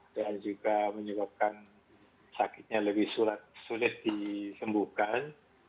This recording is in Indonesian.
dan juga menyebabkan sakitnya lebih sulit disembuhkan